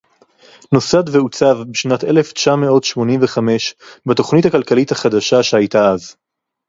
נוסד ועוצב בשנת אלף תשע מאות שמונים וחמש בתוכנית הכלכלית החדשה שהיתה אז